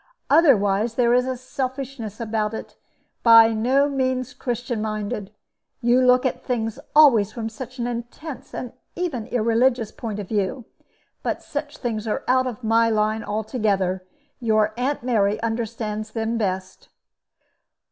Otherwise there is a selfishness about it by no means Christian minded. You look at things always from such an intense and even irreligious point of view. But such things are out of my line altogether. Your Aunt Mary understands them best."